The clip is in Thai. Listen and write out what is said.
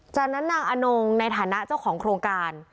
จากนั้นนางอนงในฐานะเจ้าของโครงการ